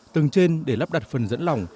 tầng trên để lắp đặt phần dẫn lỏng